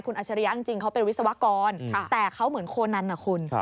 คุณอัชริยะจริงเขาเป็นวิศวกรแต่เขาเหมือนโคนันนะคุณ